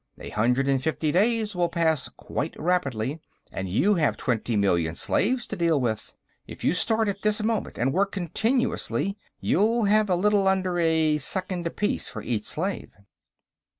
A hundred and fifty days will pass quite rapidly, and you have twenty million slaves to deal with. If you start at this moment and work continuously, you'll have a little under a second apiece for each slave."